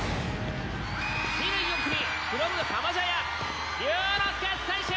２年４組フロム浜茶屋竜之介選手！